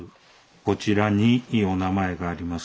こちらにお名前があります。